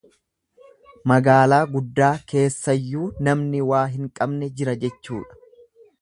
Magaalaa guddaa keessayyuu namni waa hin qabne jira jechuudha.